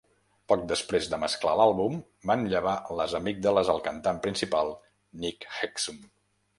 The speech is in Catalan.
Poc després de mesclar l'àlbum, van llevar les amígdales al cantant principal Nick Hexum.